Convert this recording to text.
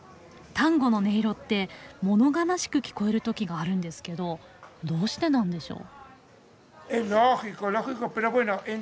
タンゴの音色ってもの悲しく聞こえる時があるんですけどどうしてなんでしょう。